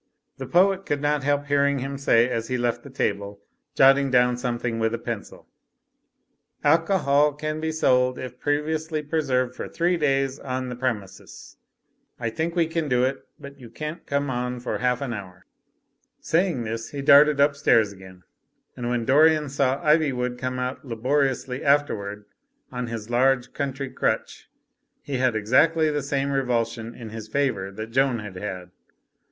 The poet could not help hearing him say as he left the table, jotting down something with a pencil: "Alcohol can be sold if previously preserved for three days on the premises. I think we can do it, but you can't come on for half an hour.*' Saying this, he darted upstairs again, and when Dorian saw Ivywood come out laboriously, afterward, on his large country crutch, he had exactly the same revulsion in his favour that Joan had had.